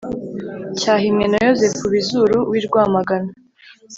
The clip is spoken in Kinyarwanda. cyahimwe na yozefu bizuru w'i rwamagana